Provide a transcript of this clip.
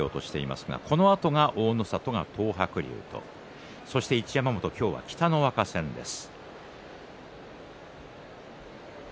このあと大の里が東白龍とそして一山本は北の若戦です。